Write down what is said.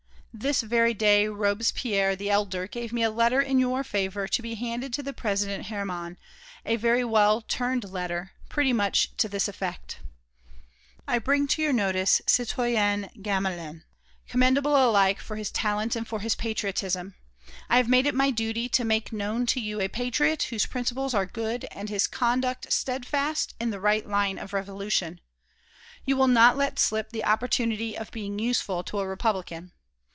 This very day Robespierre the elder gave me a letter in your favour to be handed to the President Herman, a very well turned letter, pretty much to this effect: "I bring to your notice the citoyen Gamelin, commendable alike for his talents and for his patriotism. I have made it my duty to make known to you a patriot whose principles are good and his conduct steadfast in the right line of revolution. You will not let slip the opportunity of being useful to a Republican....